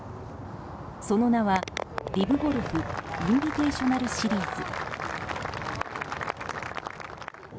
その名はリブゴルフ・インビテーショナルシリーズ。